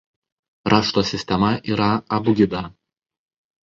Rašto sistema yra abugida.